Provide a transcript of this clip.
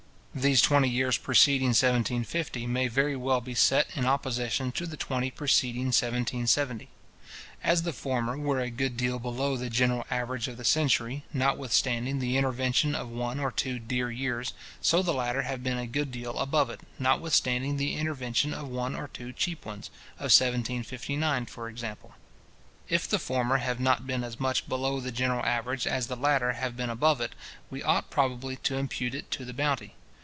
These twenty years preceding 1750 may very well be set in opposition to the twenty preceding 1770. As the former were a good deal below the general average of the century, notwithstanding the intervention of one or two dear years; so the latter have been a good deal above it, notwithstanding the intervention of one or two cheap ones, of 1759, for example. If the former have not been as much below the general average as the latter have been above it, we ought probably to impute it to the bounty.